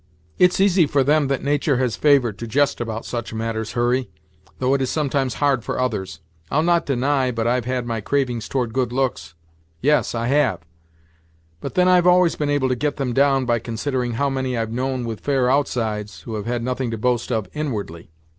"It's easy for them that natur' has favored, to jest about such matters, Hurry, though it is sometimes hard for others. I'll not deny but I've had my cravings towards good looks; yes, I have; but then I've always been able to get them down by considering how many I've known with fair outsides, who have had nothing to boast of inwardly.